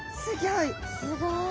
すギョい。